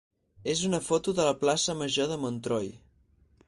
és una foto de la plaça major de Montroi.